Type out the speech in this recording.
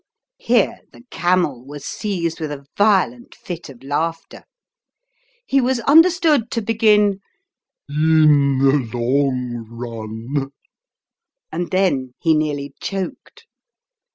Here the camel was seized with a violent fit of laughter: he was under stood to begin "In the long run" and then he nearly choked.